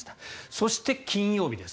そして金曜日です。